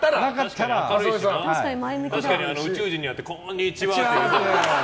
確かに宇宙人に会ってこんにちはー！って。